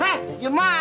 eh yamah aja